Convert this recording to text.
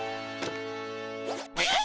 えっ。